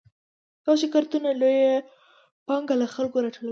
دغه شرکتونه لویه پانګه له خلکو راټولوي